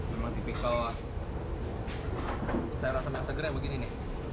memang tipikal sayur asem yang segera begini nih